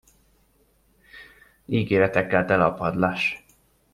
Ígéretekkel tele a padlás.